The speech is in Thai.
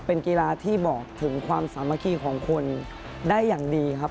เป็นกีฬาที่บอกถึงความสามัคคีของคนได้อย่างดีครับ